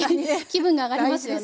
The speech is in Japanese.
気分が上がりますよね。